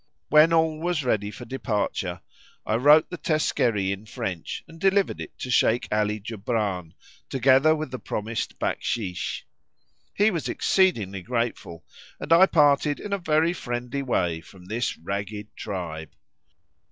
When all was ready for departure I wrote the teskeri in French and delivered it to Sheik Ali Djoubran, together with the promised baksheish; he was exceedingly grateful, and I parted in a very friendly way from this ragged tribe.